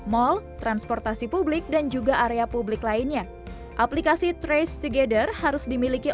mal transportasi publik dan juga area publik lainnya aplikasi trace together harus dimiliki